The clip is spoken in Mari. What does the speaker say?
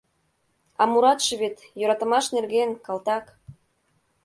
А муратше вет йӧратымаш нерген, калтак.